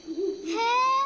へえ。